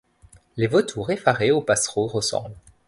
Les vautours effarés aux passereaux ressemblent.